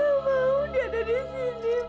aku gak mau dia ada di sini bu